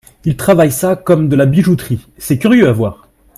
Il travaille ça comme de la bijouterie, c’est curieux à voir !